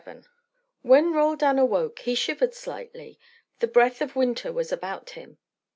VII When Roldan awoke he shivered slightly: the breath of winter was about him.